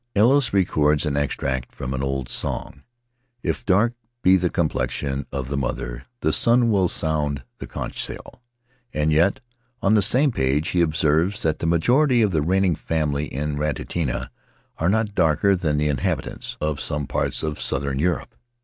Ellis records an extract from an old song: "If dark be the complexion of the mother, the son will sound the conch shell"; and yet, on the same page, he observes that "the majority of the reigning family in Raiatea are not darker than the inhabitants of some parts of southern Europe."